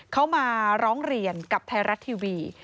เขามาร้องเรียนกับไทยรัฐทีวี